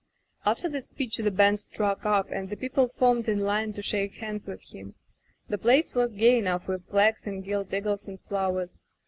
"After the speech the band struck up, and the people formed in line to shake hands with him. The place was gay enough with flags and gilt eagles and flowers.